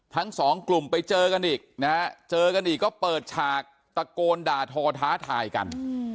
ทั้งสองกลุ่มไปเจอกันอีกนะฮะเจอกันอีกก็เปิดฉากตะโกนด่าทอท้าทายกัน